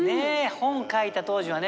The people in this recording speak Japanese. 本書いた当時はね